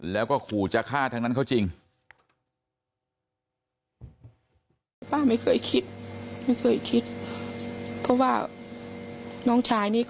แล้วก็ขู่จะฆ่าทั้งนั้นเขาจริง